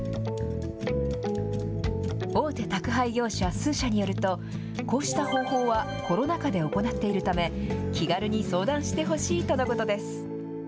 大手宅配業者数社によると、こうした方法はコロナ禍で行っているため、気軽に相談してほしいとのことです。